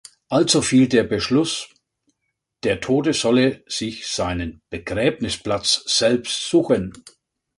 Also fiel der Beschluss, der Tote solle sich seinen Begräbnisplatz selbst suchen.